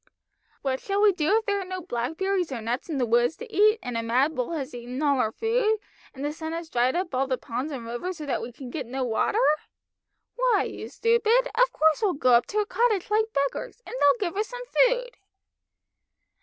"What shall we do if there are no blackberries or nuts in the woods to eat, and a mad bull has eaten all our food, and the sun has dried up all the ponds and rivers so that we can get no water? Why, you stupid, of course we'll go up to a cottage like beggars, and they'll give us some food."